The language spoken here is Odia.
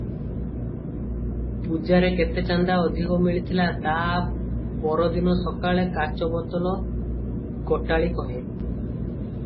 ପୂଜାରେ କେତେ ଚାନ୍ଦା ଅଧିକ ମିଳିଥିଲା ତା ପରଦିନ ସକାଳେ କାଚ ବୋତଲ ଗୋଟାଳି କହେ